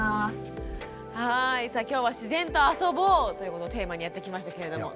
さあ今日は「自然とあそぼう」ということをテーマにやってきましたけれども。